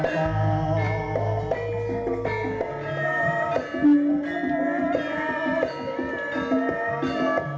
kediri dibawah viagra